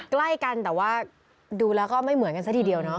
ใกล้กันแต่ว่าดูแล้วก็ไม่เหมือนกันซะทีเดียวเนาะ